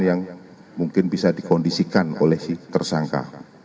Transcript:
yang mungkin bisa dikondisikan oleh si tersangka